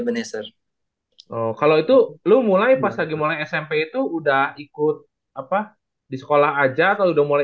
benezer kalau itu lo mulai pas lagi mulai smp itu udah ikut apa di sekolah aja kalau udah mulai